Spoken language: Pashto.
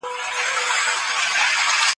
دا ماشوم ډېر ښکلی او معصوم دی.